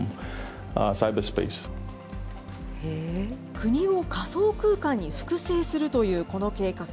国を仮想空間に複製するというこの計画。